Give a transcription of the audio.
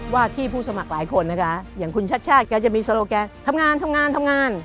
ว่าที่ผู้สมัครหลายคนนะคะอย่างคุณชัดแกจะมีโซโลแกะทำงานทำงานทำงาน